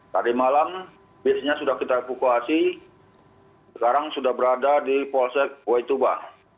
tadi malam biasanya sudah kita evakuasi sekarang sudah berada di polsek waituba